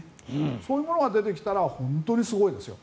そういうものが出てきたら本当にすごいですよ。